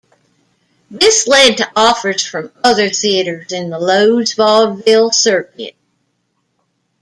This led to offers from other theaters in the Loew's Vaudeville circuit.